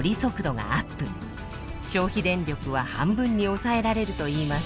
消費電力は半分に抑えられるといいます。